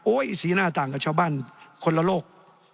สีหน้าต่างกับชาวบ้านคนละโลก